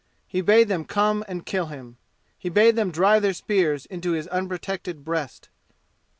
He bade them come and kill him. He bade them drive their spears into his unprotected breast.